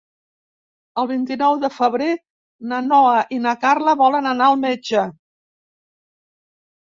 El vint-i-nou de febrer na Noa i na Carla volen anar al metge.